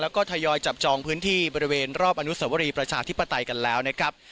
แล้วก็ทยอยจับจองพื้นที่บริเวณรอบอนุสวรีประชาธิปไตยกันแล้วนะครับ